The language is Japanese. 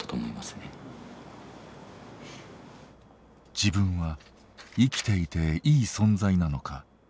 自分は生きていていい存在なのか。